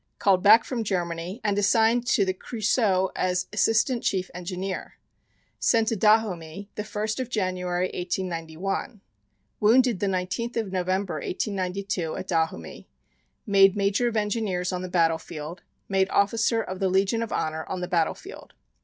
Called back from Germany and assigned to the Creusot as Assistant Chief Engineer. Sent to Dahomey, the 1st of January, 1891. Wounded the 19th of November, 1892, at Dahomey. Made Major of Engineers on the battle field. Made Officer of the Legion of Honor, on the battle field.